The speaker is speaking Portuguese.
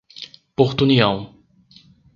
Porto União